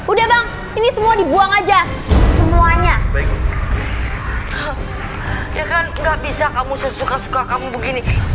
udah bang ini semua dibuang aja semuanya baik ya kan nggak bisa kamu sesuka suka kamu begini